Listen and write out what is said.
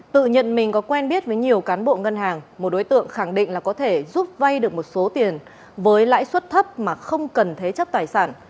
tự nhận mình có quen biết với nhiều cán bộ ngân hàng một đối tượng khẳng định là có thể giúp vay được một số tiền với lãi suất thấp mà không cần thế chấp tài sản